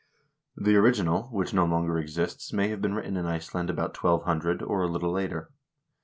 The original, which no longer exists, may have been written in Iceland about 1200 or a little later.